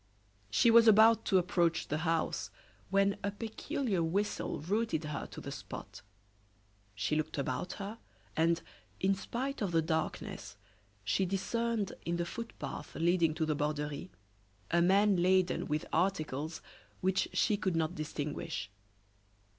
She was about to approach the house, when a peculiar whistle rooted her to the spot. She looked about her, and, in spite of the darkness, she discerned in the footpath leading to the Borderie, a man laden with articles which she could not distinguish.